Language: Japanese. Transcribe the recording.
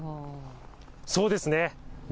そうですね。